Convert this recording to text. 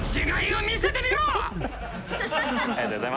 ありがとうございます。